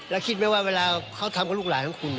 แล้วคิดไหมว่าเวลาเขาทำกับลูกหลานของคุณ